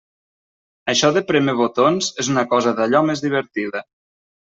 Això de prémer botons és una cosa d'allò més divertida.